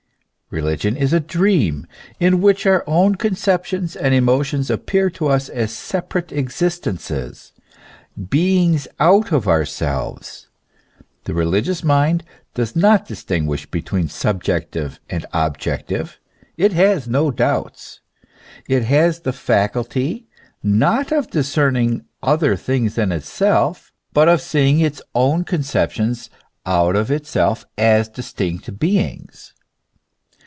Religion is a dream, in which our own conceptions and emotions appear to us as separate exist ences, beings out of ourselves. The religious mind does not distinguish between subjective and objective, it has no doubts; it has the faculty, not of discerning other things than itself, but of seeing its own conceptions out of itself, as distinct beings.